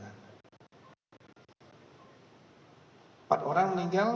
empat orang meninggal